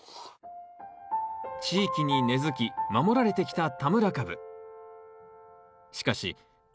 地域に根づき守られてきた田村かぶ。